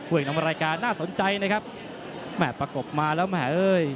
เอกนำรายการน่าสนใจนะครับแม่ประกบมาแล้วแหมเอ้ย